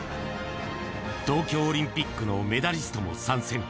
東京オリンピックのメダリストも参戦。